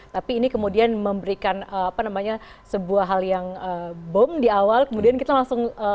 tapi ini kemudian memberikan apa namanya sebuah hal yang bom di awal kemudian kita langsung